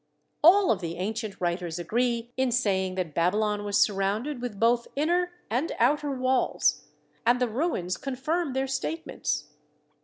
All of the ancient writers agree in saying that Babylon was surrounded with both inner and outer 72 THE SEVEN WONDERS walls, and the ruins confirm their statements.